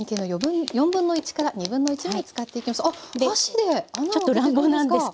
あっ箸で穴を開けていくんですか？